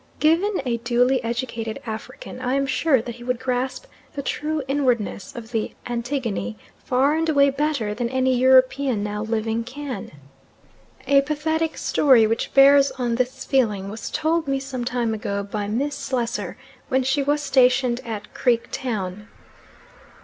Given a duly educated African, I am sure that he would grasp the true inwardness of the Antigone far and away better than any European now living can. A pathetic story which bears on this feeling was told me some time ago by Miss Slessor when she was stationed at Creek Town.